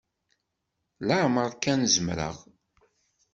Lemmer kan zemreɣ...